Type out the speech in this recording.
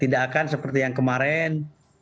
tidak akan seperti yang kemarin